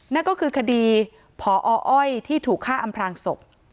นั่นก็คือคดีพออ้อยที่ถูกฆ่าอำพลางศพ